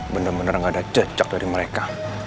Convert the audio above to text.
bener bener gak ada jejak dari mereka